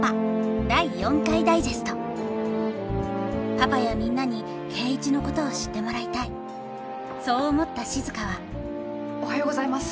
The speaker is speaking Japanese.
パパやみんなに圭一のことを知ってもらいたいそう思った静はおはようございます！